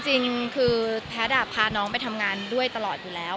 จริงคือแพทย์พาน้องไปทำงานด้วยตลอดอยู่แล้ว